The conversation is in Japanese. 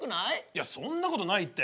いやそんなことないって。